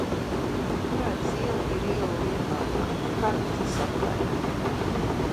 Turaidas iela ir iela Liepājā, Karostas apkaimē.